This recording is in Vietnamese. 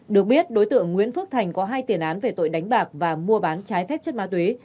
được biết đối tượng nguyễn phước thành có hai tiền án về tội đánh bạc và mua bán trái phép chất ma túy